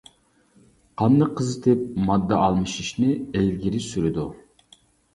قاننى قىزىتىپ، ماددا ئالمىشىشنى ئىلگىرى سۈرىدۇ.